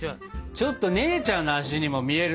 ちょっと姉ちゃんの足にも見える。